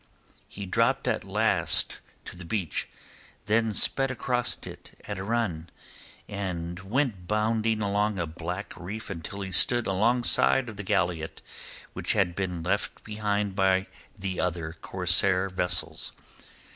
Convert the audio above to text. He dropped at last to the beach, then sped across it at a run, and went bounding along a black reef until he stood alongside of the galliot which had been left behind by the other Corsair vessels.